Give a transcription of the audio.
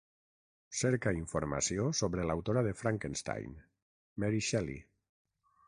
Cerca informació sobre l'autora de Frankenstein, Mary Shelley.